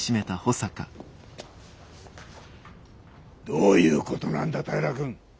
どういうことなんだ平君！